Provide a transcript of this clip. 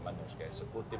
mana yang sekejap sekutip